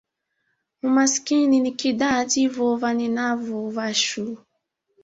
Umasikini ni kidha ndivo vanenavo vachu.